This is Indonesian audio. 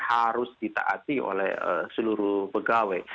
harus ditaati oleh seluruh pegawai